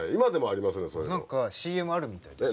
何かＣＭあるみたいですよ。